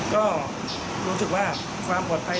ก็รู้สึกว่าความปลอดภัย